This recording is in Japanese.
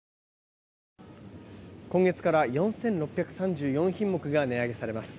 今月から４６３４品目が値上げされます。